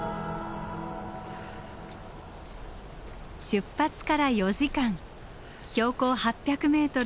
出発から４時間標高８００ｍ